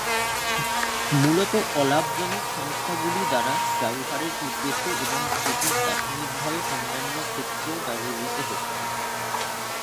মূলত অলাভজনক সংস্থাগুলি দ্বারা ব্যবহারের উদ্দেশ্যে এবং এটি প্রাথমিকভাবে অন্যান্য ক্ষেত্রেও ব্যবহৃত হচ্ছে।